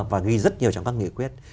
và ghi rất nhiều trong các nghị quyết